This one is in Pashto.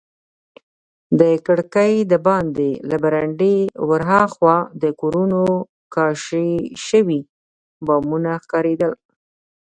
د کړکۍ دباندې له برنډې ورهاخوا د کورونو کاشي شوي بامونه ښکارېدل.